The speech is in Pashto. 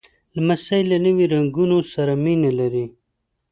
لمسی له نوي رنګونو سره مینه لري.